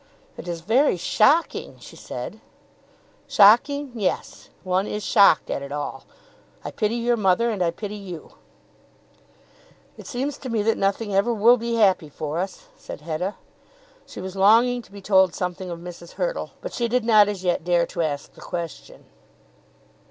"It is very shocking," she said. "Shocking; yes. One is shocked at it all. I pity your mother, and I pity you." "It seems to me that nothing ever will be happy for us," said Hetta. She was longing to be told something of Mrs. Hurtle, but she did not as yet dare to ask the question.